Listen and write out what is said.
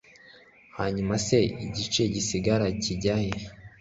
hanyuma se igice gisigara kijya he